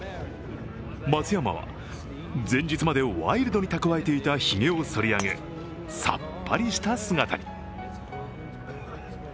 松山は前日までワイルドに蓄えていたひげを剃り上げ、さっぱりした姿に。